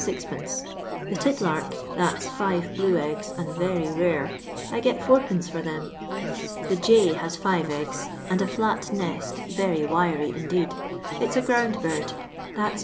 The tit lark— that 's five blue egg^, and very rare — I get Ad, for them. The jay has five eggs, and a fiat nest, very wiry, indeed; it's a ground bird; that's If.